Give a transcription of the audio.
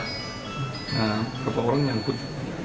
nah beberapa orang nyangkut